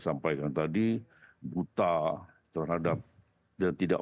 sampaikan tadi buta terhadap dan tidak